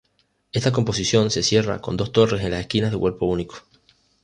Esta composición se cierra con dos torres en las esquinas de cuerpo único.